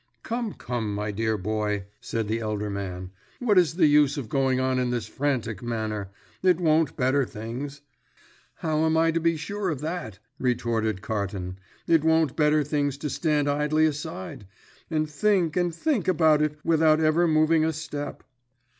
"Come, come, my dear boy," said the elder man. "What is the use of going on in this frantic manner? It won't better things." "How am I to be sure of that?" retorted Carton. "It won't better things to stand idly aside, and think and think about it without ever moving a step."